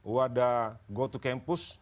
wadah go to campus